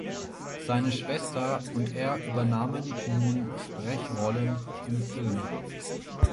Seine Schwester und er übernahmen nun Sprechrollen im Film.